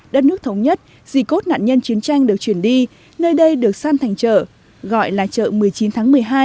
đất nước thống nhất dì cốt nạn nhân chiến tranh được chuyển đi nơi đây được săn thành chợ gọi là chợ một mươi chín tháng một mươi hai